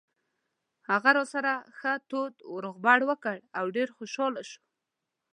هغه راسره ښه تود روغبړ وکړ او ډېر خوشاله شو.